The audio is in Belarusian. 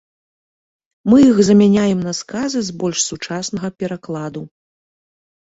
Мы іх замяняем на сказы з больш сучаснага перакладу.